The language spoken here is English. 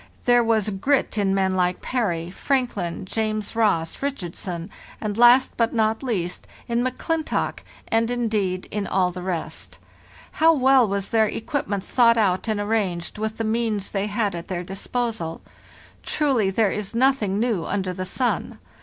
There was grit in men like Parry, Frank lin, James Ross, Richardson, and last, but not least, in M'Clintock, and, indeed, in all the rest. How well was their equipment thought out and arranged, with the means they had at their disposal! Truly, there is noth ing new under the sun.